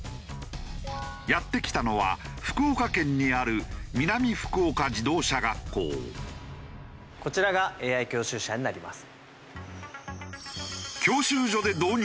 やって来たのは福岡県にあるこちらがＡＩ教習車になります。